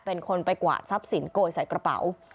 เป็นคนไปกวาดทรัพย์สินโกยใส่กระเป๋า